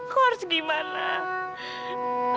kau harus gimana